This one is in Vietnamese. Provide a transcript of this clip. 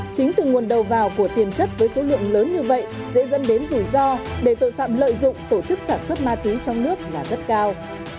chính từ nguồn đầu vào của tiền chất với số lượng lớn như vậy sẽ dẫn đến rủi ro để tội phạm lợi dụng tổ chức sản xuất ma túy trong nước là rất cao